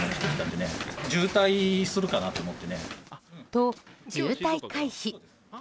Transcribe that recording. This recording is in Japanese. と、渋滞回避。